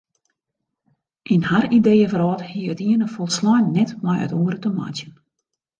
Yn har ideeëwrâld hie it iene folslein net met it oare te meitsjen.